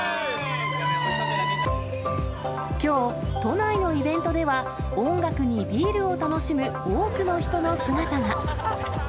きょう、都内のイベントでは音楽にビールを楽しむ多くの人の姿が。